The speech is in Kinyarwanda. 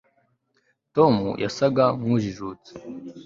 tom yasaga nkujijutse